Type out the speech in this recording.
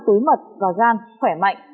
tối mật gò gan khỏe mạnh